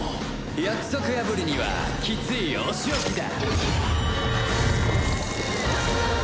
約束破りにはきついお仕置きだ。